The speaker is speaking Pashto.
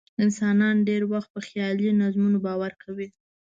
انسانان ډېری وخت په خیالي نظمونو باور کوي.